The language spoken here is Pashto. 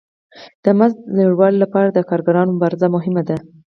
د مزد د لوړوالي لپاره د کارګرانو مبارزه مهمه ده